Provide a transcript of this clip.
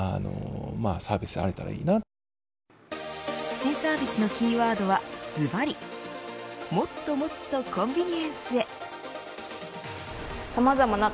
新サービスのキーワードは、ずばりもっともっとコンビニエンスへ。